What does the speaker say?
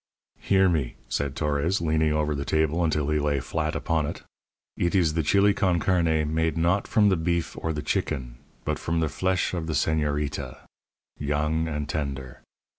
"Hear me," said Torres, leaning over the table until he lay flat upon it; "eet is the chili con carne made not from the beef or the chicken, but from the flesh of the señorita young and tender.